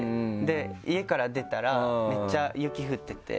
家から出たらめっちゃ雪降ってて。